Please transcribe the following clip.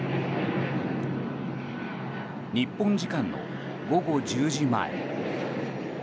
日本時間の午後１０時前。